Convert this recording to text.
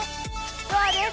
トアです！